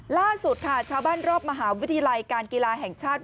ล่าสุดค่ะชาวบ้านรอบมหาวิทยาลัยการกีฬาแห่งชาติ